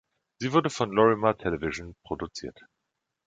Sie wurde von Lorimar Television produziert.